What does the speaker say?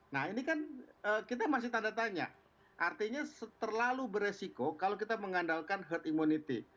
nah ini kan kita masih tanda tanya artinya terlalu beresiko kalau kita mengandalkan herd immunity